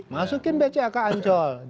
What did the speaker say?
masukin bca ke ancol